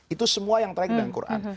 itu semua yang terkait dengan quran